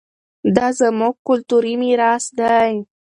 دا زموږ کلتوري ميراث دی.